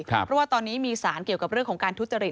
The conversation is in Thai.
เพราะว่าตอนนี้มีสารเกี่ยวกับเรื่องของการทุจริต